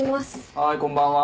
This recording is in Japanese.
・はいこんばんは。